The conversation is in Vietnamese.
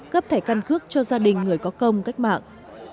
cấp thẻ căn cước cho gia đình người có công cách mạng